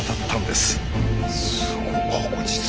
すごい。